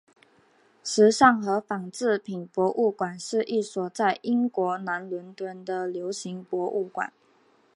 时尚和纺织品博物馆是一所在英国南伦敦的流行博物馆。